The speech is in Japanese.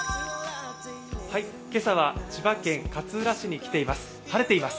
今朝は千葉県勝浦市に来ています。